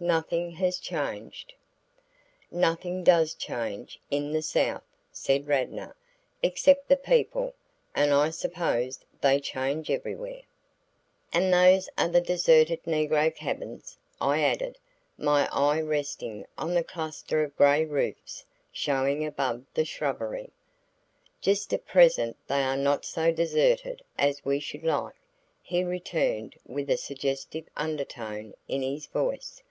"Nothing has changed." "Nothing does change in the South," said Radnor, "except the people, and I suppose they change everywhere." "And those are the deserted negro cabins?" I added, my eye resting on the cluster of gray roofs showing above the shrubbery. "Just at present they are not so deserted as we should like," he returned with a suggestive undertone in his voice.